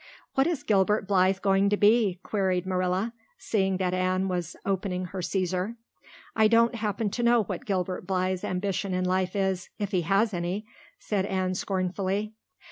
"What is Gilbert Blythe going to be?" queried Marilla, seeing that Anne was opening her Cæsar. "I don't happen to know what Gilbert Blythe's ambition in life is if he has any," said Anne scornfully.